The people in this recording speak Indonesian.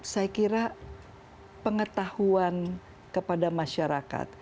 saya kira pengetahuan kepada masyarakat